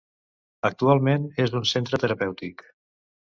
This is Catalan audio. Actualment és un centre terapèutic.